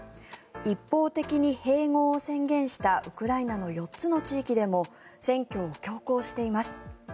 一方的に併合を宣言したウクライナの４つの地域でも選挙を強行しています。